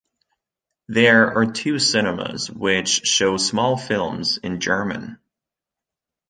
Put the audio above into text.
There are two cinemas which show small films in German.